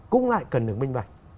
cũng lại cần được minh bạch